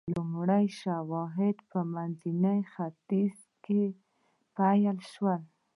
لومړني شواهد په منځني ختیځ کې پیل شول.